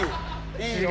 いいよ。